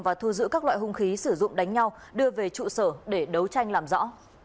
và thu giữ các loại hung khí sử dụng đánh nhau đưa về trụ sở để đấu tranh làm rõ